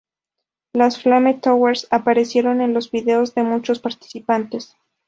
Las Flame Towers aparecieron en los vídeos de muchos participantes.